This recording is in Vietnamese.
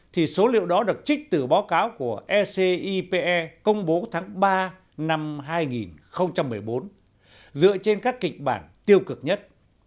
thì số liệu đó được trích từ báo cáo của ecipe công bố tháng ba năm hai nghìn một mươi bốn dựa trên các kịch bản tiêu cực nhất